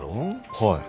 はい。